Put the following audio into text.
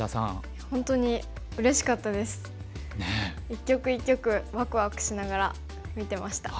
一局一局ワクワクしながら見てました。